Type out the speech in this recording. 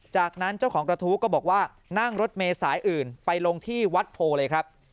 จากนั้นเจ้าของกระทู้ก็บอกว่านั่งรถเมย์สายอื่นไปลงที่วัดโพเลยครับ